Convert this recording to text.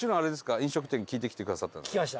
飲食店聞いてきてくださった。